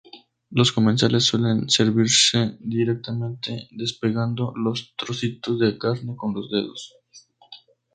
Los comensales suelen servirse directamente, despegando los trocitos de carne con los dedos.